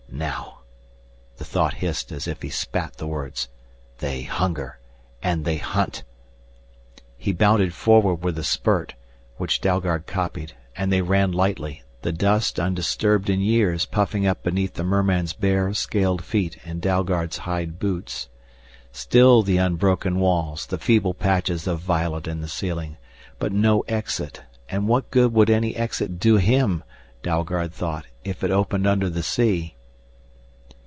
"Now " the thought hissed as if he spat the words, "they hunger and they hunt!" He bounded forward with a spurt, which Dalgard copied, and they ran lightly, the dust undisturbed in years puffing up beneath the merman's bare, scaled feet and Dalgard's hide boots. Still the unbroken walls, the feeble patches of violet in the ceiling. But no exit. And what good would any exit do him, Dalgard thought, if it opened under the sea?